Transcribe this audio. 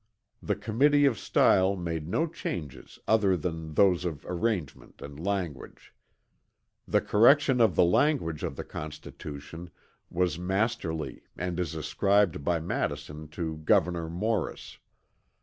The Committee of Style made no changes other than those of arrangement and language. The correction of the language of the Constitution was masterly and is ascribed by Madison to Gouverneur Morris.